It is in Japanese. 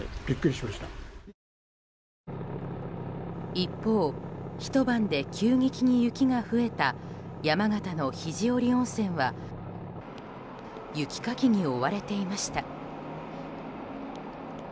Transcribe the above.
一方、ひと晩で急激に雪が増えた山形の肘折温泉は雪かきに追われていました。